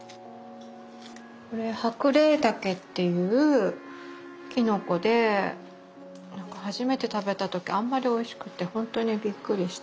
これハクレイダケっていうきのこで初めて食べた時あんまりおいしくてほんとにびっくりして。